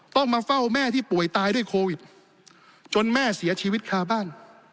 ต้องมาเฝ้าแม่ที่ป่วยตายด้วยโควิดจนแม่เสียชีวิตคาบ้าน